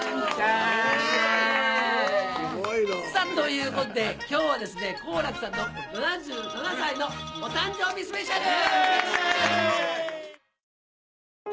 すごいな。ということで今日は好楽さんの７７歳のお誕生日スペシャル！